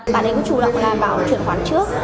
bạn ấy cũng chủ động là bảo chuyển khoản trước